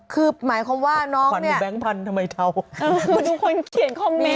ขึบหมายความว่าน้องนี้ควันหรือแบงค์พันทำไมเทาวั้นทุกคนเขียนคอมเม้นท์